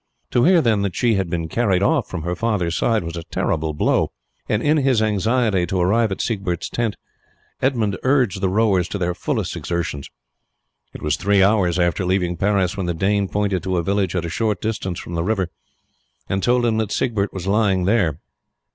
To hear, then, that she had been carried off from her father's side was a terrible blow, and in his anxiety to arrive at Siegbert's tent Edmund urged the rowers to their fullest exertions. It was three hours after leaving Paris when the Dane pointed to a village at a short distance from the river and told him that Siegbert was lying there.